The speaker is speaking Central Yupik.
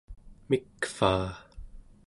mikvaa